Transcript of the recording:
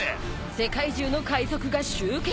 世界中の海賊が集結！